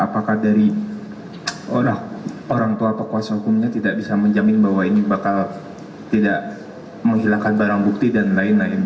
apakah dari orang tua atau kuasa hukumnya tidak bisa menjamin bahwa ini bakal tidak menghilangkan barang bukti dan lain lain